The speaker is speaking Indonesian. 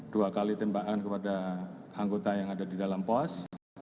dua kali tembakan kepada anggota yang ada di dalam pos